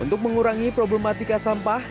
untuk mengurangi problematika sampah